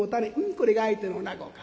これが相手のおなごか。